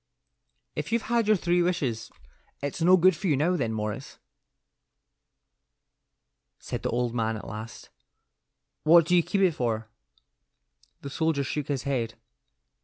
"If you've had your three wishes, it's no good to you now, then, Morris," said the old man at last. "What do you keep it for?" The soldier shook his head.